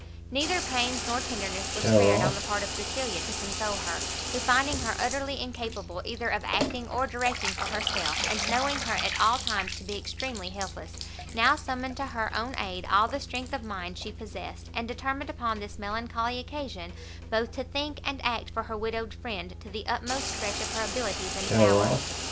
Neither pains nor tenderness were spared on the part of Cecilia to console her; who finding her utterly incapable either of acting or directing for herself, and knowing her at all times to be extremely helpless, now summoned to her own aid all the strength of mind she possessed, and determined upon this melancholy occasion, both to think and act for her widowed friend to the utmost stretch of her abilities and power.